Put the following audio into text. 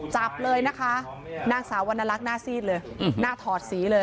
จับเลยนะคะนางสาววรรณลักษณ์หน้าซีดเลยหน้าถอดสีเลย